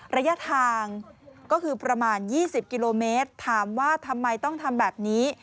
ระยะทางก็คือประมาณ๒๐กิโลเมตรถามว่าทำไมต้องทำแบบนี้